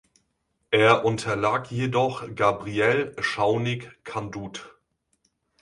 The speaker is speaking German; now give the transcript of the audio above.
Er unterlag jedoch Gabriele Schaunig-Kandut.